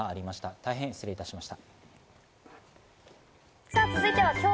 大変失礼いたしました。